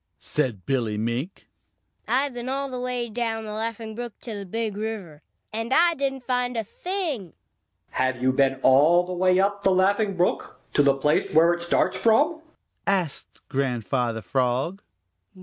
said Billy Mink. "I've been all the way down the Laughing Brook to the Big River, and I didn't find a thing." "Have you been all the way up the Laughing Brook to the place it starts from?" asked Grandfather Frog.